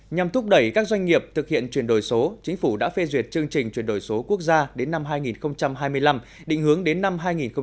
nhằm thúc đẩy các doanh nghiệp thực hiện chuyển đổi số chính phủ đã phê duyệt chương trình chuyển đổi số quốc gia đến năm hai nghìn hai mươi năm định hướng đến năm hai nghìn ba mươi